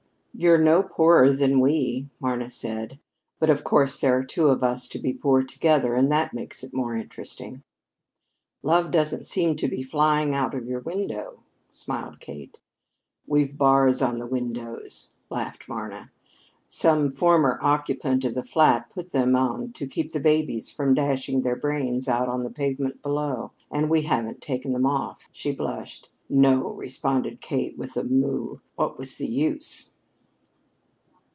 "You're no poorer than we," Marna said. "But of course there are two of us to be poor together; and that makes it more interesting." "Love doesn't seem to be flying out of your window," smiled Kate. "We've bars on the windows," laughed Marna. "Some former occupant of the flat put them on to keep the babies from dashing their brains out on the pavement below, and we haven't taken them off." She blushed. "No," responded Kate with a moue; "what was the use?"